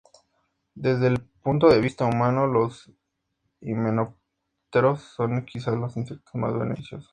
Desde el punto de vista humano los himenópteros son quizás los insectos más beneficiosos.